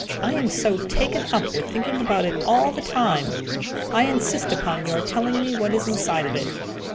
I am so taken up with thinking about it all the time. I insist upon your telling me what is inside of it."